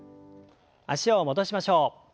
脚を戻しましょう。